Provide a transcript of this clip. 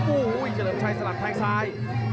โอ้โหเฉลิมชัยสลับแทงซ้าย